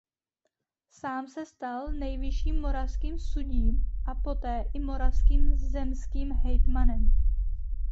Sám se stal nejvyšším moravským sudím a poté i moravským zemským hejtmanem.